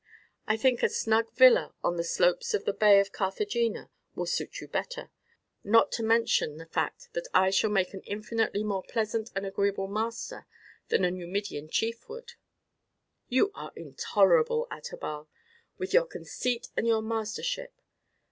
I think a snug villa on the slopes of the bay of Carthagena, will suit you better, not to mention the fact that I shall make an infinitely more pleasant and agreeable master than a Numidian chief would do." "You are intolerable, Adherbal, with your conceit and your mastership.